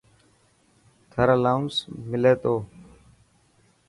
ٿر الاونس ملي تو.